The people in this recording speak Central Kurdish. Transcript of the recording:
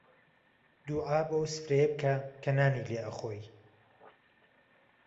دوعا بۆ ئەو سفرەیە بکە، کەنانی لێ ئەخۆیی